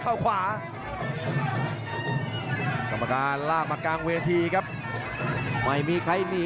อื้อหือจังหวะขวางแล้วพยายามจะเล่นงานด้วยซอกแต่วงใน